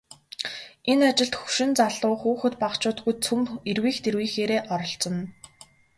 Энэ ажилд хөгшин залуу, хүүхэд багачуудгүй цөм эрвийх дэрвийхээрээ оролцоно.